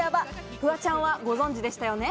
フワちゃんはご存じでしたよね？